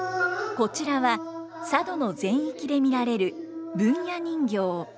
こちらは佐渡の全域で見られる文弥人形。